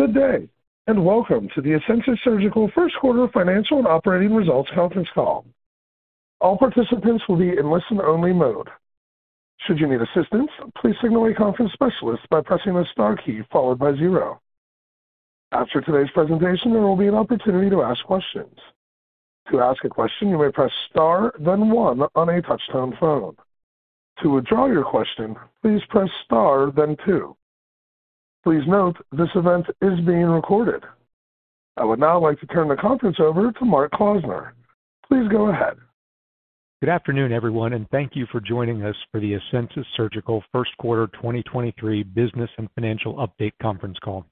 Good day, welcome to the Asensus Surgical First Quarter Financial and Operating Results conference call. All participants will be in listen-only mode. Should you need assistance, please signal a conference specialist by pressing the star key followed by zero. After today's presentation, there will be an opportunity to ask questions. To ask a question, you may press star then one on a touch-tone phone. To withdraw your question, please press star then two. Please note this event is being recorded. I would now like to turn the conference over to Mark Klausner. Please go ahead. Good afternoon, everyone, and thank you for joining us for the Asensus Surgical First Quarter 2023 Business and Financial Update conference call.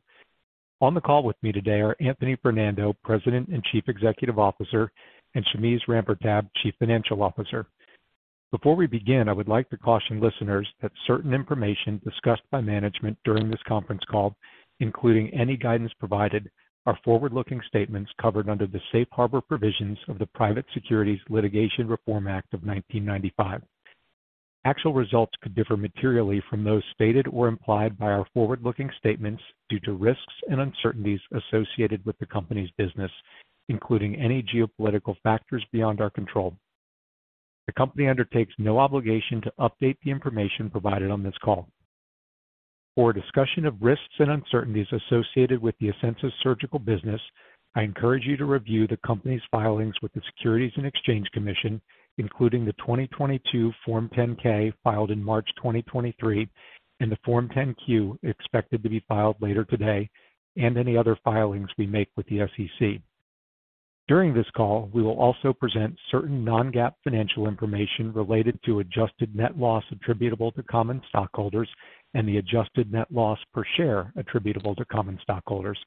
On the call with me today are Anthony Fernando, President and Chief Executive Officer, and Shameze Rampertab, Chief Financial Officer. Before we begin, I would like to caution listeners that certain information discussed by management during this conference call, including any guidance provided, are forward-looking statements covered under the Safe Harbor provisions of the Private Securities Litigation Reform Act of 1995. Actual results could differ materially from those stated or implied by our forward-looking statements due to risks and uncertainties associated with the company's business, including any geopolitical factors beyond our control. The company undertakes no obligation to update the information provided on this call. For a discussion of risks and uncertainties associated with the Asensus Surgical business, I encourage you to review the company's filings with the Securities and Exchange Commission, including the 2022 Form 10-K filed in March 2023 and the Form 10-Q expected to be filed later today, and any other filings we make with the SEC. During this call, we will also present certain non-GAAP financial information related to adjusted net loss attributable to common stockholders and the adjusted net loss per share attributable to common stockholders.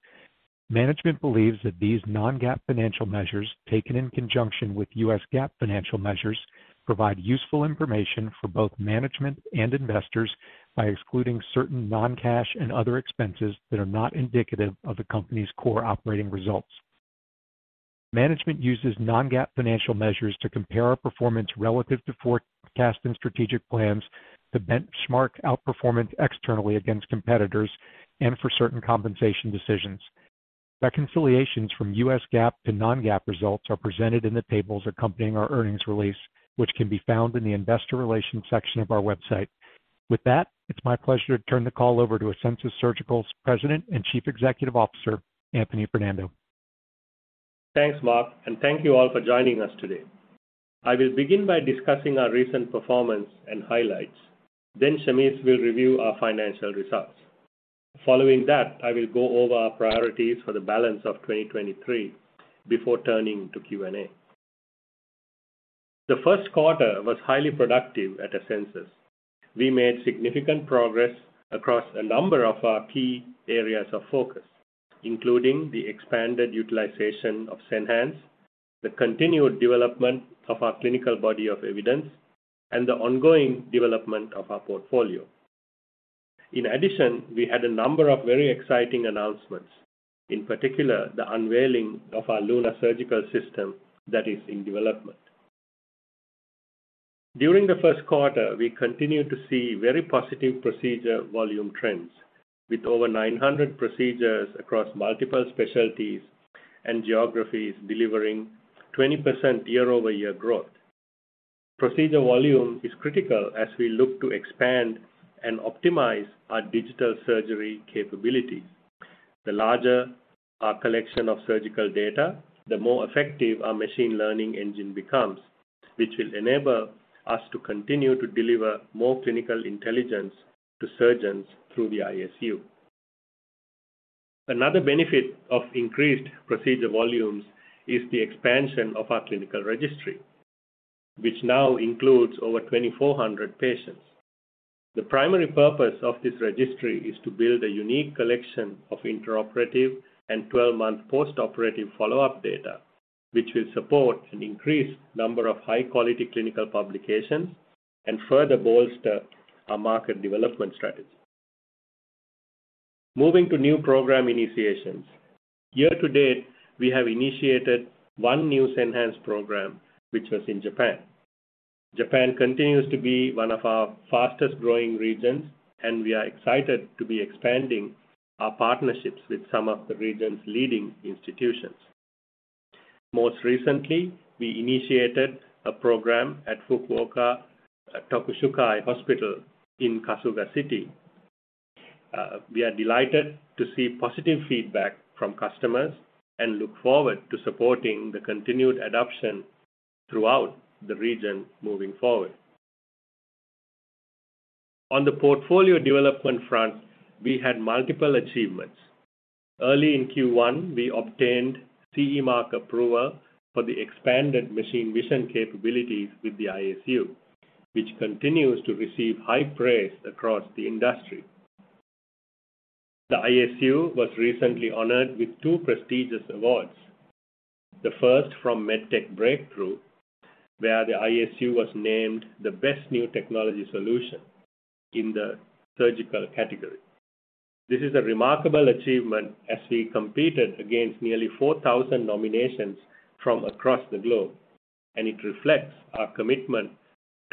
Management believes that these non-GAAP financial measures, taken in conjunction with U.S. GAAP financial measures, provide useful information for both management and investors by excluding certain non-cash and other expenses that are not indicative of the company's core operating results. Management uses non-GAAP financial measures to compare our performance relative to forecast and strategic plans, to benchmark outperformance externally against competitors, and for certain compensation decisions. Reconciliations from U.S. GAAP to non-GAAP results are presented in the tables accompanying our earnings release, which can be found in the investor relations section of our website. With that, it's my pleasure to turn the call over to Asensus Surgical's President and Chief Executive Officer, Anthony Fernando. Thanks, Mark, and thank you all for joining us today. I will begin by discussing our recent performance and highlights. Shameze will review our financial results. Following that, I will go over our priorities for the balance of 2023 before turning to Q&A. The first quarter was highly productive at Asensus. We made significant progress across a number of our key areas of focus, including the expanded utilization of Senhance, the continued development of our clinical body of evidence, and the ongoing development of our portfolio. In addition, we had a number of very exciting announcements. In particular, the unveiling of our LUNA Surgical System that is in development. During the first quarter, we continued to see very positive procedure volume trends, with over 900 procedures across multiple specialties and geographies delivering 20% year-over-year growth. Procedure volume is critical as we look to expand and optimize our digital surgery capabilities. The larger our collection of surgical data, the more effective our machine learning engine becomes, which will enable us to continue to deliver more clinical intelligence to surgeons through the ISU. Another benefit of increased procedure volumes is the expansion of our clinical registry, which now includes over 2,400 patients. The primary purpose of this registry is to build a unique collection of intra operative and 12-month postoperative follow-up data, which will support an increased number of high-quality clinical publications and further bolster our market development strategy. Moving to new program initiations. Year to date, we have initiated one new Senhance program which was in Japan. Japan continues to be one of our fastest-growing regions, and we are excited to be expanding our partnerships with some of the region's leading institutions. Most recently, we initiated a program at Fukuoka Tokushukai Hospital in Kasuga City. We are delighted to see positive feedback from customers and look forward to supporting the continued adoption throughout the region moving forward. On the portfolio development front, we had multiple achievements. Early in Q1, we obtained CE mark approval for the expanded machine vision capabilities with the ISU, which continues to receive high praise across the industry. The ISU was recently honored with two prestigious awards. The first from MedTech Breakthrough, where the ISU was named the best new technology solution in the surgical category. This is a remarkable achievement as we competed against nearly 4,000 nominations from across the globe. It reflects our commitment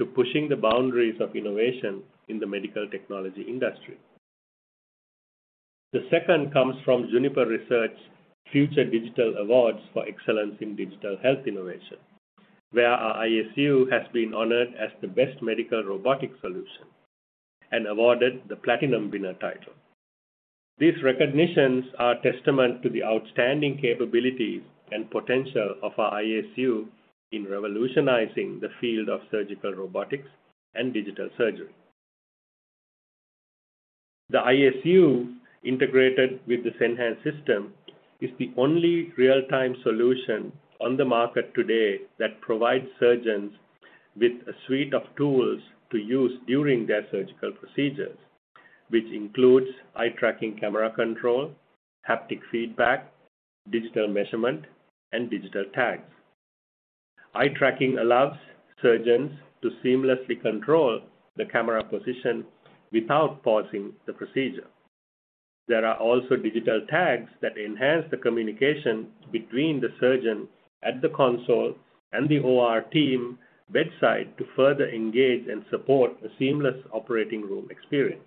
to pushing the boundaries of innovation in the medical technology industry. The second comes from Future Digital Awards for Digital Health Innovation, where our ISU has been honored as the best medical robotic solution and awarded the platinum winner title. These recognitions are testament to the outstanding capabilities and potential of our ISU in revolutionizing the field of surgical robotics and digital surgery. The ISU integrated with the Senhance system is the only real-time solution on the market today that provides surgeons with a suite of tools to use during their surgical procedures, which includes eye-tracking camera control, haptic feedback, digital measurement, and digital tags. Eye tracking allows surgeons to seamlessly control the camera position without pausing the procedure. There are also digital tags that enhance the communication between the surgeon at the console and the OR team bedside to further engage and support a seamless operating room experience.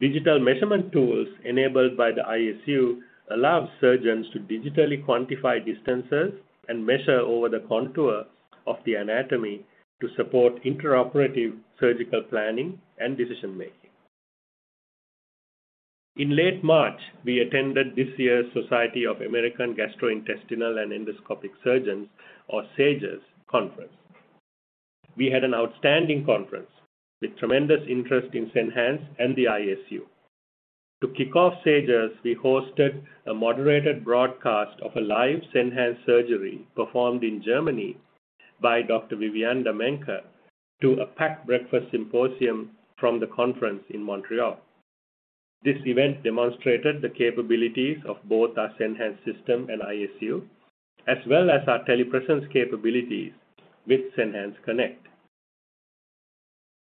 Digital measurement tools enabled by the ISU allow surgeons to digitally quantify distances and measure over the contour of the anatomy to support intraoperative surgical planning and decision-making. In late March, we attended this year's Society of American Gastrointestinal and Endoscopic Surgeons, or SAGES conference. We had an outstanding conference with tremendous interest in Senhance and the ISU. To kick off SAGES, we hosted a moderated broadcast of a live Senhance surgery performed in Germany by Dr. Viviane Dommermuth to a packed breakfast symposium from the conference in Montreal. This event demonstrated the capabilities of both our Senhance system and ISU, as well as our telepresence capabilities with Senhance Connect.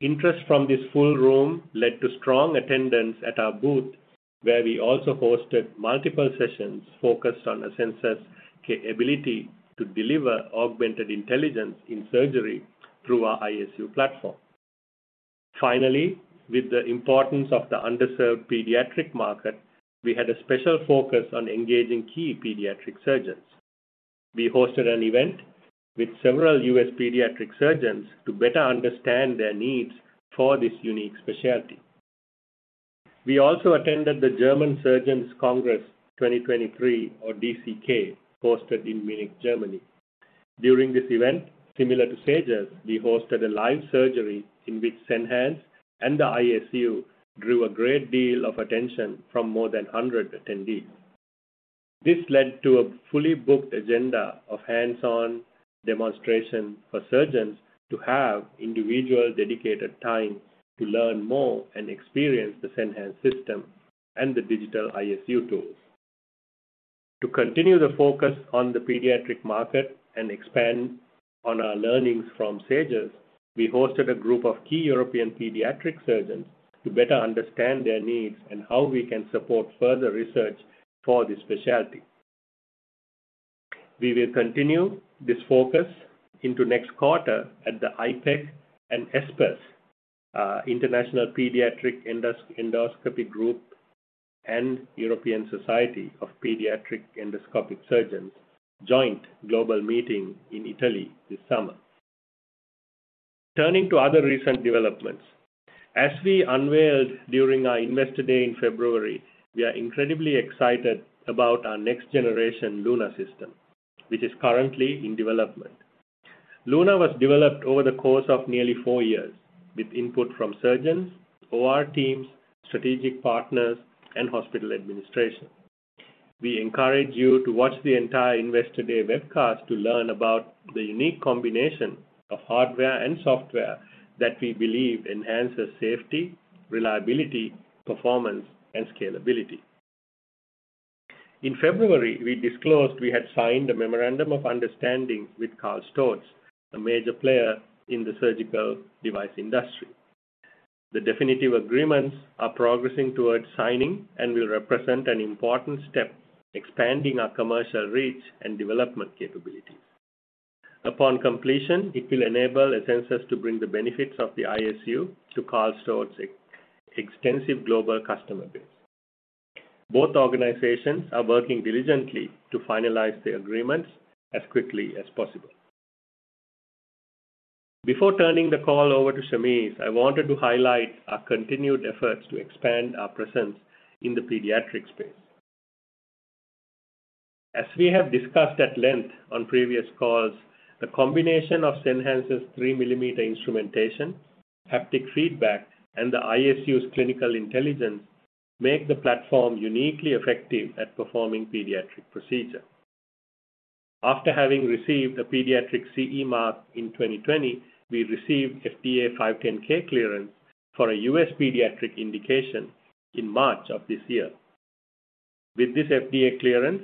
Interest from this full room led to strong attendance at our booth, where we also hosted multiple sessions focused on the Asensus capability to deliver augmented intelligence in surgery through our ISU platform. Finally, with the importance of the underserved pediatric market, we had a special focus on engaging key pediatric surgeons. We hosted an event with several U.S. pediatric surgeons to better understand their needs for this unique specialty. We also attended the German Congress of Surgery 2023, or DCK, hosted in Munich, Germany. During this event, similar to SAGES, we hosted a live surgery in which Senhance and the ISU drew a great deal of attention from more than 100 attendees. This led to a fully booked agenda of hands-on demonstration for surgeons to have individual dedicated time to learn more and experience the Senhance system and the digital ISU tools. To continue the focus on the pediatric market and expand on our learnings from SAGES, we hosted a group of key European pediatric surgeons to better understand their needs and how we can support further research for this specialty. We will continue this focus into next quarter at the IPEC and ESPES, International Pediatric Endoscopy Group and European Society of Paediatric Endoscopic Surgeons joint global meeting in Italy this summer. Turning to other recent developments. As we unveiled during our Investor Day in February, we are incredibly excited about our next generation LUNA system, which is currently in development. LUNA was developed over the course of nearly four years with input from surgeons, OR teams, strategic partners, and hospital administration. We encourage you to watch the entire Investor Day webcast to learn about the unique combination of hardware and software that we believe enhances safety, reliability, performance, and scalability. In February, we disclosed we had signed a memorandum of understanding with Karl Storz, a major player in the surgical device industry. The definitive agreements are progressing towards signing and will represent an important step expanding our commercial reach and development capabilities. Upon completion, it will enable Asensus to bring the benefits of the ISU to Karl Storz extensive global customer base. Both organizations are working diligently to finalize the agreements as quickly as possible. Before turning the call over to Shamez, I wanted to highlight our continued efforts to expand our presence in the pediatric space. As we have discussed at length on previous calls, the combination of Senhance's 3mm instrumentation, haptic feedback, and the ISU's clinical intelligence make the platform uniquely effective at performing pediatric procedure. After having received a pediatric CE mark in 2020, we received FDA 510,000 clearance for a U.S. pediatric indication in March of this year. With this FDA clearance,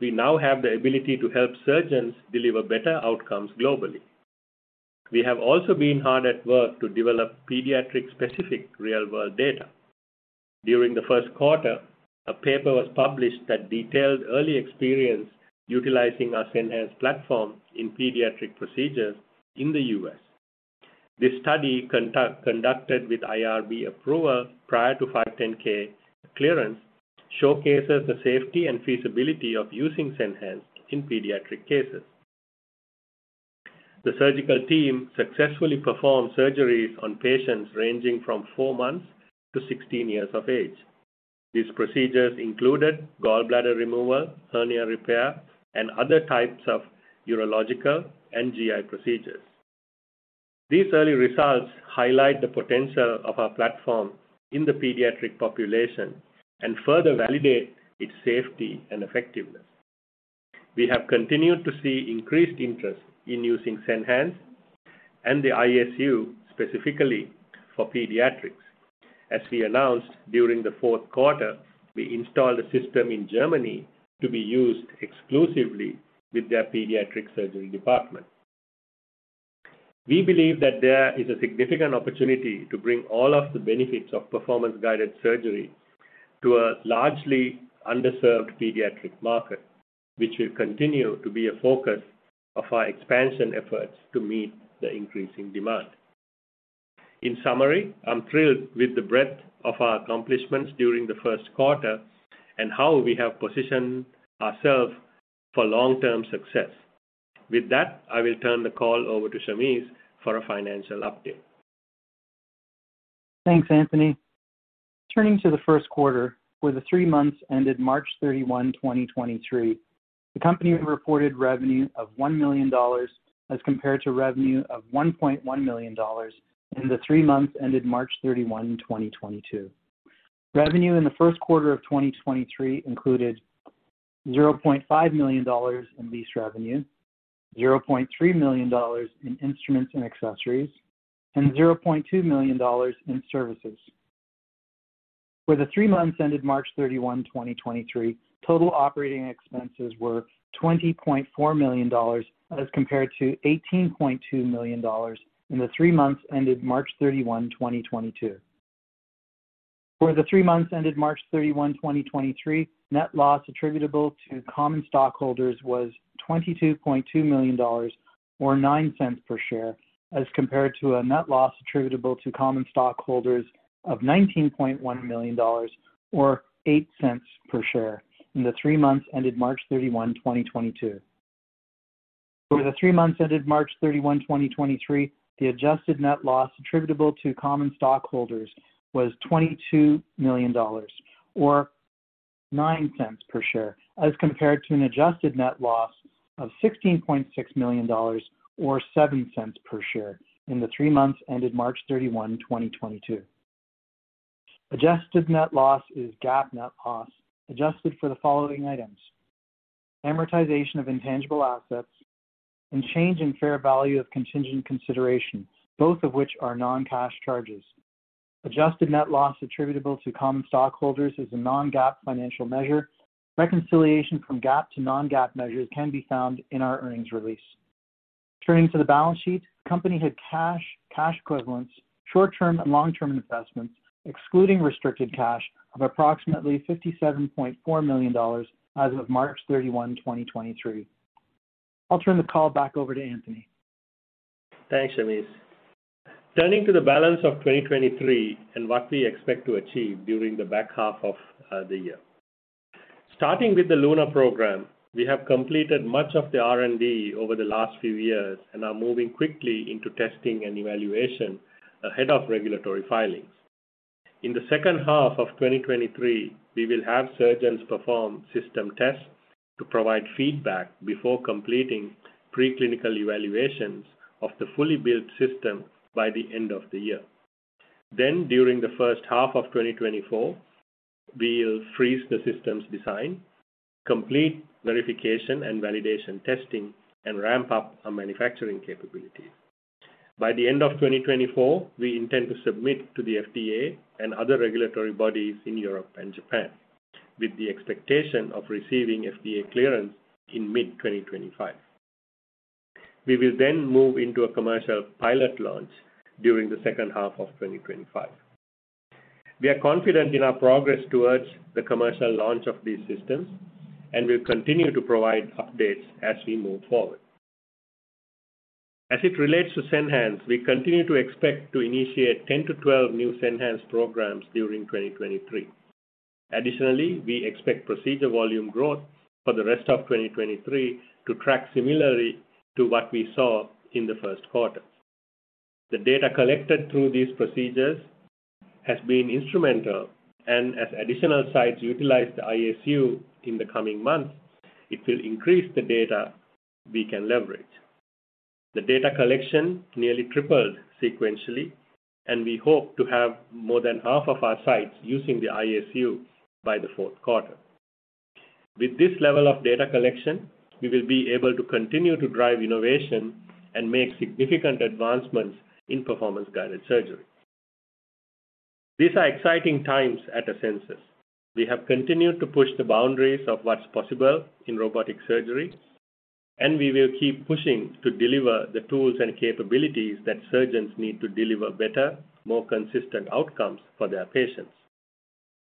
we now have the ability to help surgeons deliver better outcomes globally. We have also been hard at work to develop pediatric specific real-world data. During the first quarter, a paper was published that detailed early experience utilizing our Senhance platform in pediatric procedures in the U.S. This study conducted with IRB approval prior to 510(k) clearance, showcases the safety and feasibility of using Senhance in pediatric cases. The surgical team successfully performed surgeries on patients ranging from 4 months to 16 years of age. These procedures included gallbladder removal, hernia repair, and other types of urological and GI procedures. These early results highlight the potential of our platform in the pediatric population and further validate its safety and effectiveness. We have continued to see increased interest in using Senhance and the ISU specifically for pediatrics. As we announced during the fourth quarter, we installed a system in Germany to be used exclusively with their pediatric surgery department. We believe that there is a significant opportunity to bring all of the benefits of Performance-Guided Surgery to a largely underserved pediatric market, which will continue to be a focus of our expansion efforts to meet the increasing demand. In summary, I'm thrilled with the breadth of our accomplishments during the first quarter and how we have positioned ourselves for long-term success. With that, I will turn the call over to Shamez for a financial update. Thanks, Anthony. Turning to the first quarter for the 3 months ended March 31, 2023, the company reported revenue of $1 million as compared to revenue of $1.1 million in the 3 months ended March 31, 2022. Revenue in the first quarter of 2023 included $0.5 million in lease revenue, $0.3 million in instruments and accessories, and $0.2 million in services. For the 3 months ended March 31, 2023, total operating expenses were $20.4 million as compared to $18.2 million in the three months ended March 31, 2022. For the three months ended March 31, 2023, net loss attributable to common stockholders was $22.2 million or $0.09 per share, as compared to a net loss attributable to common stockholders of $19.1 million or $0.08 per share in the three months ended March 31, 2022. For the three months ended March 31, 2023, the adjusted net loss attributable to common stockholders was $22 million or $0.09 per share, as compared to an adjusted net loss of $16.6 million or $0.07 per share in the three months ended March 31, 2022. Adjusted net loss is GAAP net loss, adjusted for the following items: amortization of intangible assets and change in fair value of contingent considerations, both of which are non-cash charges. Adjusted net loss attributable to common stockholders is a non-GAAP financial measure. Reconciliation from GAAP to non-GAAP measures can be found in our earnings release. Turning to the balance sheet, the company had cash equivalents, short-term and long-term investments, excluding restricted cash of approximately $57.4 million as of March 31, 2023. I'll turn the call back over to Anthony. Thanks, Shamez. Turning to the balance of 2023 and what we expect to achieve during the back half of the year. Starting with the Luna program, we have completed much of the R&D over the last few years and are moving quickly into testing and evaluation ahead of regulatory filings. In the second half of 2023, we will have surgeons perform system tests to provide feedback before completing preclinical evaluations of the fully built system by the end of the year. During the first half of 2024, we'll freeze the system's design, complete verification and validation testing, and ramp up our manufacturing capabilities. By the end of 2024, we intend to submit to the FDA and other regulatory bodies in Europe and Japan with the expectation of receiving FDA clearance in mid-2025. We will move into a commercial pilot launch during the second half of 2025. We are confident in our progress towards the commercial launch of these systems. We'll continue to provide updates as we move forward. As it relates to Senhance, we continue to expect to initiate 10 to 12 new Senhance programs during 2023. Additionally, we expect procedure volume growth for the rest of 2023 to track similarly to what we saw in the first quarter. The data collected through these procedures has been instrumental. As additional sites utilize the ISU in the coming months, it will increase the data we can leverage. The data collection nearly tripled sequentially. We hope to have more than half of our sites using the ISU by the fourth quarter. With this level of data collection, we will be able to continue to drive innovation and make significant advancements in Performance-Guided Surgery. These are exciting times at Asensus. We have continued to push the boundaries of what's possible in robotic surgery, and we will keep pushing to deliver the tools and capabilities that surgeons need to deliver better, more consistent outcomes for their patients.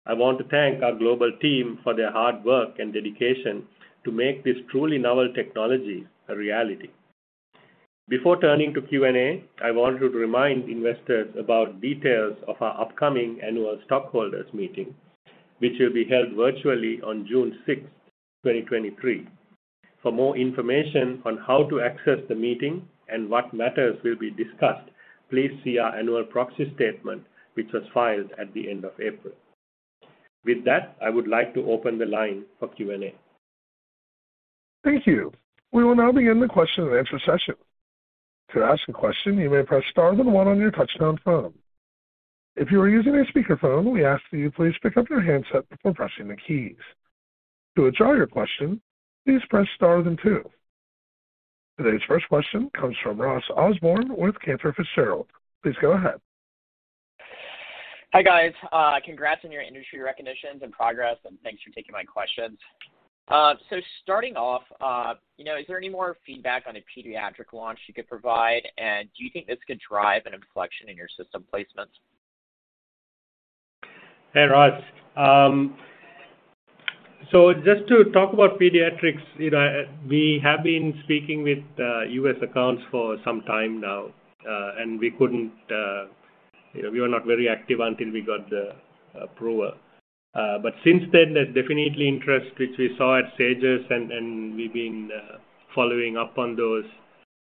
I want to thank our global team for their hard work and dedication to make this truly novel technology a reality. Before turning to Q&A, I wanted to remind investors about details of our upcoming annual stockholders meeting, which will be held virtually on June 6, 2023. For more information on how to access the meeting and what matters will be discussed, please see our annual proxy statement, which was filed at the end of April. With that, I would like to open the line for Q&A. Thank you. We will now begin the question and answer session. To ask a question, you may press star then one on your touchtone phone. If you are using a speakerphone, we ask that you please pick up your handset before pressing the keys. To withdraw your question, please press star then two. Today's first question comes from Ross Osborn with Cantor Fitzgerald. Please go ahead. Hi, guys. Congrats on your industry recognitions and progress, and thanks for taking my questions. Starting off, you know, is there any more feedback on a pediatric launch you could provide? Do you think this could drive an inflection in your system placements? Hey, Ross. Just to talk about pediatrics, you know, we have been speaking with U.S. accounts for some time now, and we couldn't, you know, we were not very active until we got the approval. Since then, there's definitely interest, which we saw at SAGES, and we've been following up on those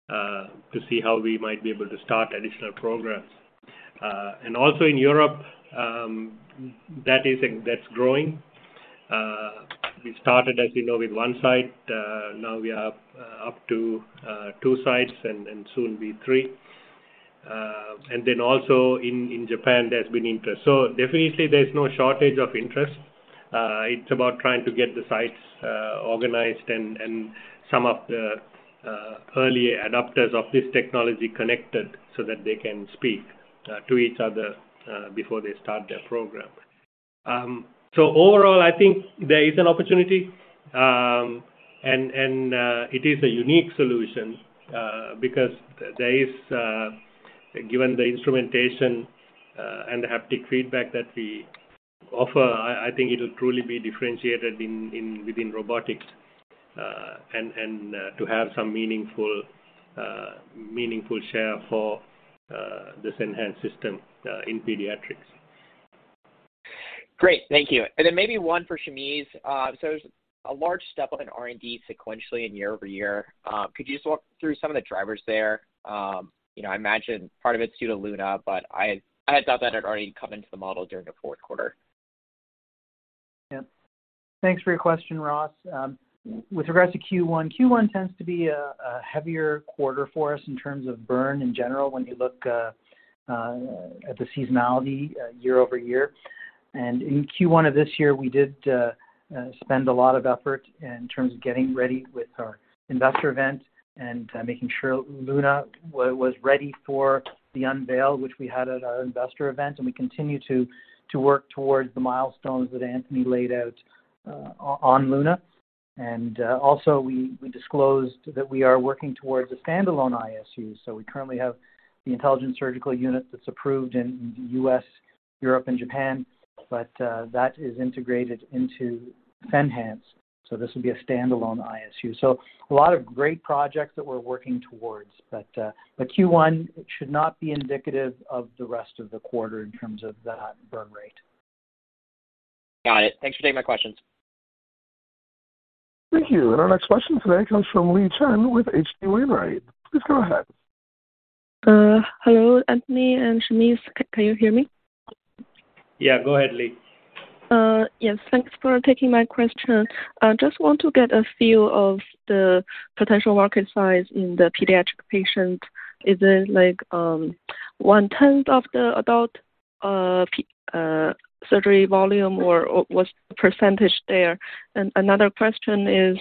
to see how we might be able to start additional programs. Also in Europe, that's growing. We started, as you know, with one site. Now we are up to two sites and soon be three. Also in Japan, there's been interest. Definitely there's no shortage of interest. It's about trying to get the sites organized and some of the early adopters of this technology connected so that they can speak to each other before they start their program. Overall, I think there is an opportunity. It is a unique solution because there is given the instrumentation and the haptic feedback that we offer, I think it'll truly be differentiated within robotics, and to have some meaningful share for this Senhance system in pediatrics. Great. Thank you. Maybe one for Shameze. A large step on R&D sequentially in YoY. Could you just walk through some of the drivers there? You know, I imagine part of it's due to LUNA, but I thought that had already come into the model during the fourth quarter. Yeah. Thanks for your question, Ross. With regards to Q1 tends to be a heavier quarter for us in terms of burn in general when you look at the seasonality YoY. In Q1 of this year, we did spend a lot of effort in terms of getting ready with our investor event and making sure Luna was ready for the unveil, which we had at our investor event. We continue to work towards the milestones that Anthony laid out on Luna. Also, we disclosed that we are working towards a standalone ISU. We currently have the Intelligent Surgical Unit that's approved in U.S., Europe, and Japan, but that is integrated into Senhance. This will be a standalone ISU. A lot of great projects that we're working towards. But Q1 should not be indicative of the rest of the quarter in terms of that burn rate. Got it. Thanks for taking my questions. Thank you. Our next question today comes from Yi Chen with H.C. Wainwright. Please go ahead. Hello, Anthony and Shameze. Can you hear me? Yeah. Go ahead, Yi. Yes. Thanks for taking my question. I just want to get a feel of the potential market size in the pediatric patient. Is it like, one-tenth of the adult surgery volume or what's the percentage there? Another question is,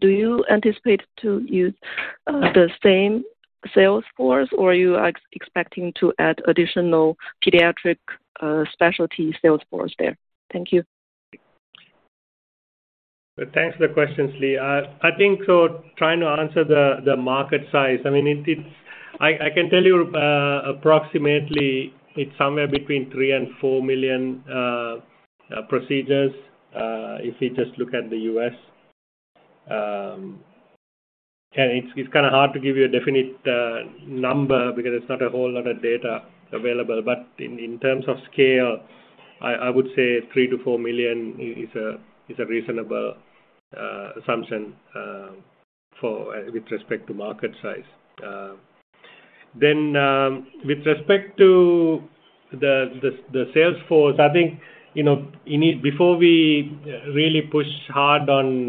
do you anticipate to use the same sales force or are you expecting to add additional pediatric, specialty sales force there? Thank you. Thanks for the questions, Yi Chen. I think trying to answer the market size, I mean, I can tell you, approximately it's somewhere between 3 million to 4 million procedures, if you just look at the U.S. It's kind of hard to give you a definite number because there's not a whole lot of data available. In terms of scale, I would say 3 million to 4 million is a reasonable assumption with respect to market size. With respect to the sales force, I think, you know, you need before we really push hard on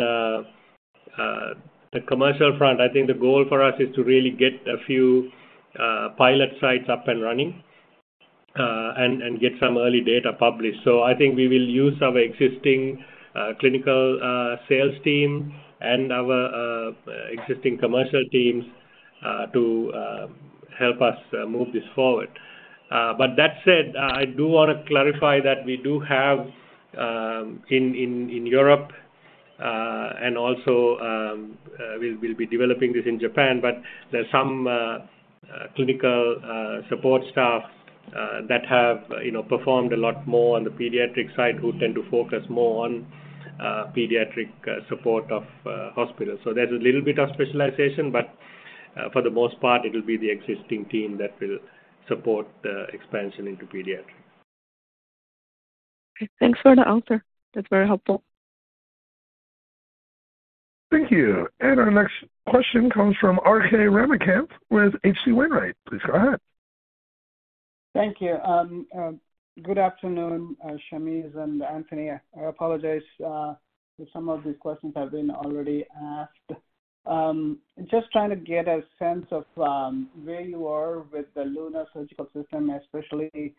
the commercial front, I think the goal for us is to really get a few pilot sites up and running and get some early data published. I think we will use our existing clinical sales team and our existing commercial teams to help us move this forward. That said, I do wanna clarify that we do have in Europe, and also we'll be developing this in Japan, but there's some clinical support staff that have, you know, performed a lot more on the pediatric side who tend to focus more on pediatric support of hospitals. There's a little bit of specialization, but for the most part, it'll be the existing team that will support the expansion into pediatric. Okay. Thanks for the answer. That's very helpful. Thank you. Our next question comes from Swayampakula Ramakanth with H.C. Wainwright. Please go ahead. Thank you. Good afternoon, Shameze and Anthony. I apologize if some of these questions have been already asked. Just trying to get a sense of where you are with the LUNA Surgical System, especially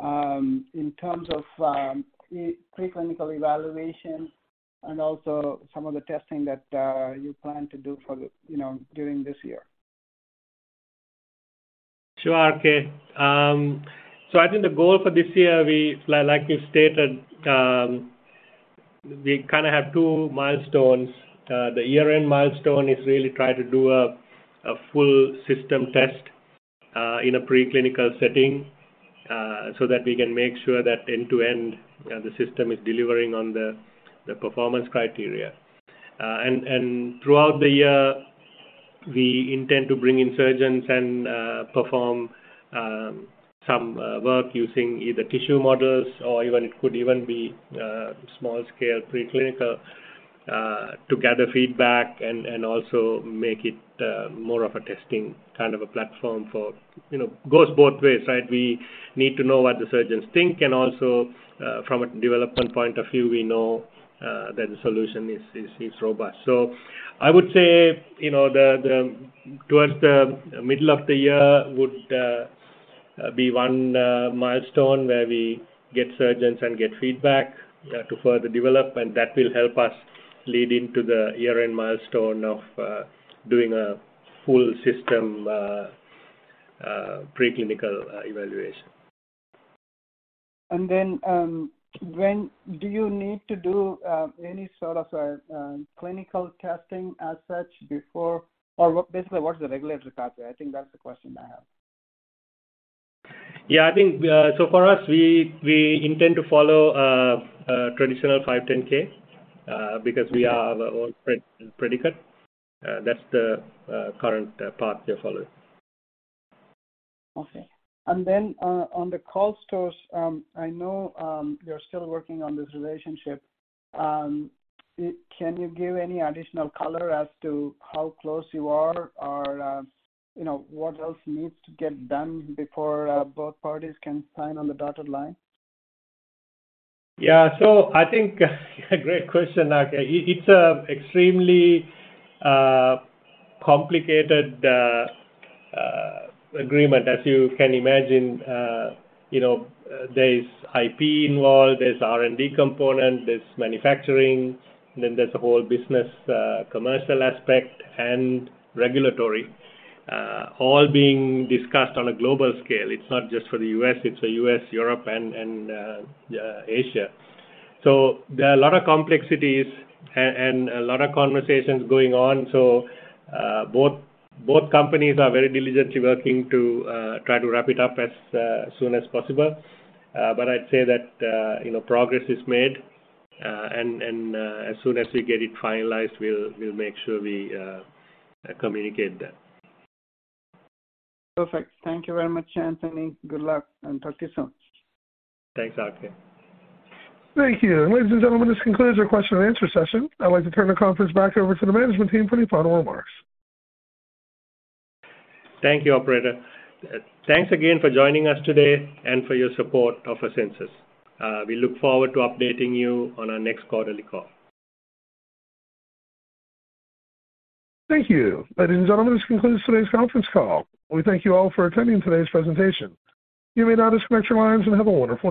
in terms of preclinical evaluation and also some of the testing that you plan to do for the you know, during this year. Sure, RK. I think the goal for this year, like we've stated, we kinda have two milestones. The year-end milestone is really try to do a full system test in a preclinical setting so that we can make sure that end-to-end the system is delivering on the performance criteria. Throughout the year, we intend to bring in surgeons and perform some work using either tissue models or even it could even be small scale preclinical to gather feedback and also make it more of a testing kind of a platform for, you know, goes both ways, right? We need to know what the surgeons think and also from a development point of view, we know that the solution is robust. I would say, you know, towards the middle of the year would be one milestone where we get surgeons and get feedback to further develop, and that will help us lead into the year-end milestone of doing a full system preclinical evaluation. When do you need to do any sort of clinical testing as such before or what, basically what is the regulatory pathway? I think that's the question I have. Yeah. I think, for us, we intend to follow a traditional 510,000, because we are a predicate. That's the current path we follow. Then, on the Karl Storz, I know, you're still working on this relationship. Can you give any additional color as to how close you are or, you know, what else needs to get done before, both parties can sign on the dotted line? Yeah. I think great question, RK. It's a extremely complicated agreement as you can imagine. You know, there is IP involved, there's R&D component, there's manufacturing, then there's a whole business, commercial aspect and regulatory, all being discussed on a global scale. It's not just for the U.S., it's for U.S., Europe and Asia. There are a lot of complexities and a lot of conversations going on. Both companies are very diligently working to try to wrap it up as soon as possible. I'd say that, you know, progress is made, and as soon as we get it finalized, we'll make sure we communicate that. Perfect. Thank you very much, Anthony. Good luck, and talk to you soon. Thanks, RK. Thank you. Ladies and gentlemen, this concludes our question and answer session. I'd like to turn the conference back over to the management team for any final remarks. Thank you, operator. Thanks again for joining us today and for your support of Asensus. We look forward to updating you on our next quarterly call. Thank you. Ladies and gentlemen, this concludes today's conference call. We thank you all for attending today's presentation. You may now disconnect your lines and have a wonderful day.